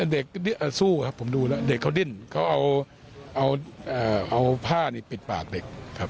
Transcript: เด็กสู้ครับผมดูแล้วเด็กเขาดิ้นเขาเอาผ้านี่ปิดปากเด็กครับ